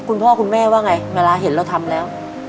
คุณพ่อคุณแม่ว่าไงเวลาเห็นเราทำแล้ว